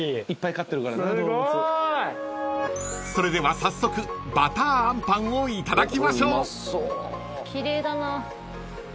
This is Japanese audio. ［それでは早速ばたーあんパンをいただきましょう］